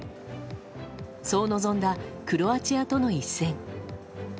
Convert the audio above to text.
そう臨んだクロアチアとの一戦。